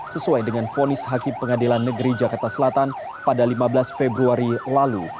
sesuai dengan fonis hakim pengadilan negeri jakarta selatan pada lima belas februari lalu